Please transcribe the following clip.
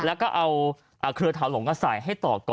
แล้วก็เอาเครือเถาหลงมาใส่ให้ต่อก่อน